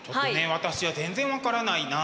私は全然分からないな。